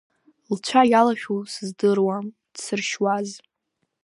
Лцәа иалашәоу, сыздыруам, дсыршьуаз.